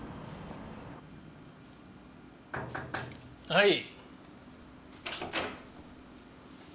はい。